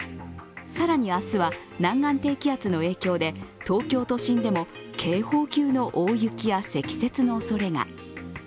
更に明日は南岸低気圧の影響で東京都心でも警報級の大雪や積雪のおそれが。